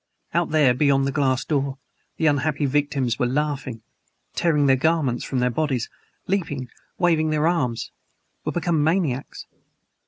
Out there, beyond the glass door, the unhappy victims were laughing tearing their garments from their bodies leaping waving their arms were become MANIACS!